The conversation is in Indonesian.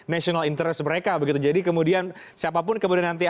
national interest mereka begitu jadi kemudian siapapun kemudian nanti